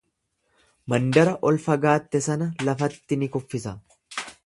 Mandara ol fagaatte sana lafatti ni kuffisa.